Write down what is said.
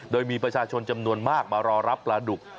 โดยมีประชาชนจำนวนมากมารอรับปลาดุก